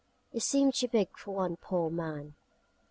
It seemed too big for one poor man.